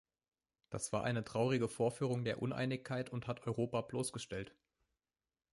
Das war eine traurige Vorführung der Uneinigkeit und hat Europa bloßgestellt.